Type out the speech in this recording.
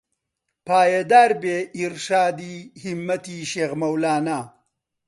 پایەدار بێ ئیڕشادی هیممەتی شێخ مەولانە